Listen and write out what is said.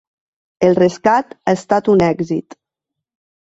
El rescat ha estat un èxit.